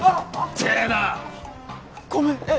痛ぇなごめんえっ。